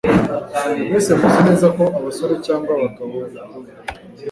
Mwese muzi neza ko abasore cyangwa abagabo babikunda